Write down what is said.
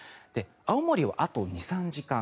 青森は、あと２３時間